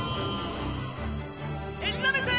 ・エリザベス！